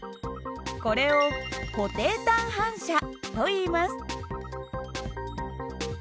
これを固定端反射といいます。